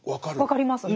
分かりますね。